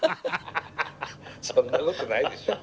そんなことないでしょ。